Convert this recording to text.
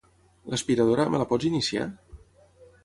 L'aspiradora, me la pots iniciar?